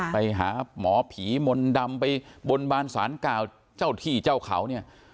ไปหาหมอผีมนต์ดำไปบนบานสารกล่าวเจ้าที่เจ้าเขาเนี่ย